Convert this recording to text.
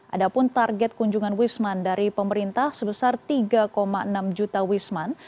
ada pun target kunjungan wisman dari pemerintah sebesar tiga enam juta wisman